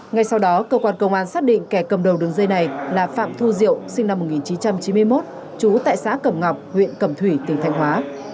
ngay sau đó cơ quan công an xác định kẻ cầm đầu đường dây này là phạm thu diệu sinh năm một nghìn chín trăm chín mươi một trú tại xã cẩm ngọc huyện cẩm thủy tỉnh thành hóa